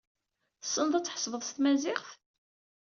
Tessned ad tḥesbed s tmaziɣt?